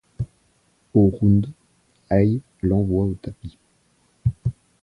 Au round, Haye l'envoie au tapis.